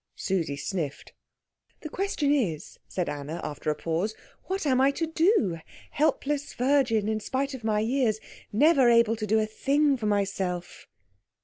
Susie sniffed. "The question is," said Anna after a pause, "what am I to do, helpless virgin, in spite of my years, never able to do a thing for myself?"